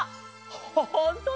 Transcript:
ほんとだ！